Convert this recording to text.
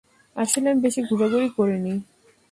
আসলে আমি বেশি ঘুরাঘুরি করিনি।